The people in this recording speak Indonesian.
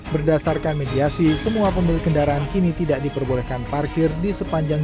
berdasarkan mediasi semua pemilik kendaraan kini tidak diperbolehkan parkir di sepanjang